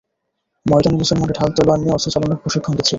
ময়দানে মুসলমানরা ঢাল-তলোয়ার নিয়ে অস্ত্রচালনার প্রশিক্ষণ দিচ্ছিল।